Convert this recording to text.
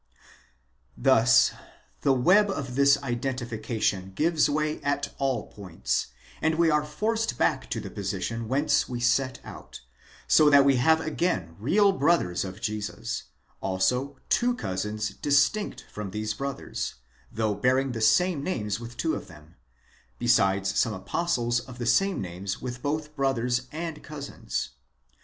Thus the web of this identification gives way at all points, and we are forced back to the position whence we set out; so that we have again real brothers of Jesus, also two cousins distinct from these brothers, though bear ing the same names with two of them, besides some apostles of the same names with both brothers and cousins.